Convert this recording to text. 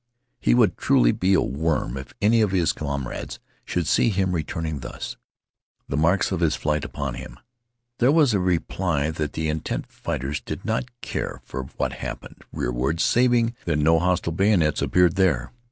He would truly be a worm if any of his comrades should see him returning thus, the marks of his flight upon him. There was a reply that the intent fighters did not care for what happened rearward saving that no hostile bayonets appeared there.